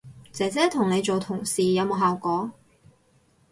姐姐同你做同事有冇效果